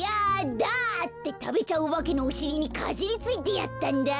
だ！」ってたべちゃうおばけのおしりにかじりついてやったんだ。